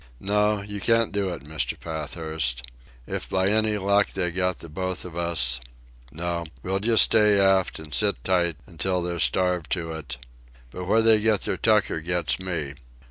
"No, you can't do it, Mr. Pathurst. If by any luck they got the both of us ... No; we'll just stay aft and sit tight until they're starved to it ... But where they get their tucker gets me.